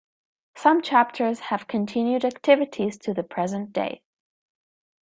Some chapters have continued activities to the present day.